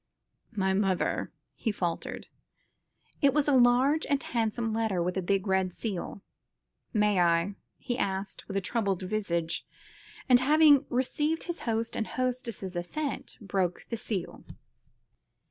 "My mother," he faltered. It was a large and handsome letter with a big red seal. "May I?" asked Rorie, with a troubled visage, and having received his host and hostess's assent, broke the seal.